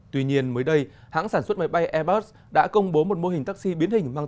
tuy nhiên mới đây hãng sản xuất máy bay airbus đã công bố một mô hình taxi biến hình mang